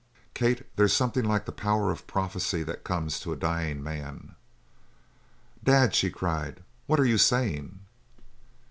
"Kate, they's something like the power of prophecy that comes to a dyin' man!" "Dad!" she cried. "What are you saying?"